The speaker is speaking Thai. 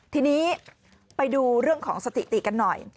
ทีนี้ไปดูเรื่องของสถิติกันหน่อย